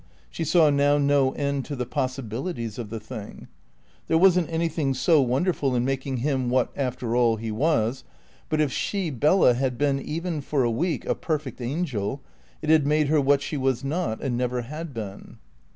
She saw now no end to the possibilities of the thing. There wasn't anything so wonderful in making him what, after all, he was; but if she, Bella, had been, even for a week, a perfect angel, it had made her what she was not and never had been.